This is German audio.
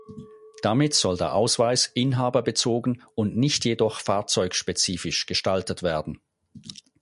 Damit soll der Ausweis inhaberbezogen und nicht jedoch fahrzeugspezifisch gestaltet werden.